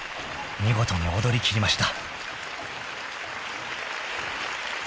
見事に踊りきりました］